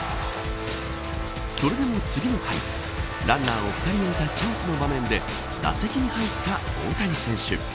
それでも次の回ランナーを２人置いたチャンスの場面で打席に入った大谷選手。